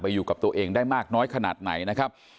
อยู่กับตัวเองได้มากน้อยขนาดไหนนะครับ